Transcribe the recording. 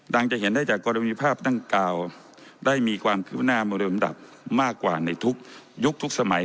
ดังจะเห็นได้จากกรณีภาพตั้งกล่าวได้มีความพิพันธ์มากกว่าในทุกยุคทุกสมัย